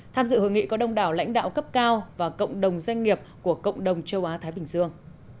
tham dự hội nghị có đông đảo lãnh đạo cấp cao và cộng đồng doanh nghiệp của cộng đồng châu á thái bình dương